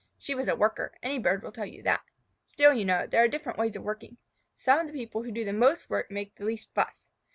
She was a worker. Any bird will tell you that. Still, you know, there are different ways of working. Some of the people who do the most work make the least fuss.